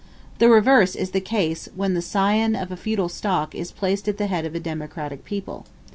The reverse is the case when the scion of a feudal stock is placed at the head of a democratic people.